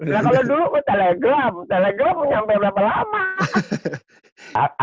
telegram nyampe berapa lama